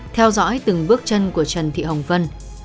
theo dõi từng bước chân của trần thị hồng vân